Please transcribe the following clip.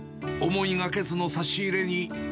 思いがけずの差し入れに。